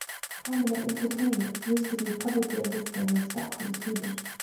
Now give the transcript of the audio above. Cabinet Entertainment used to be publicly listed in Stockholm, Sweden.